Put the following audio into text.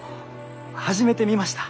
初めて見ました。